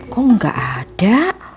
kok gak ada